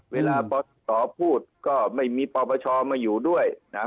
เวลาปศพูดก็ไม่มีปปชมาอยู่ด้วยนะ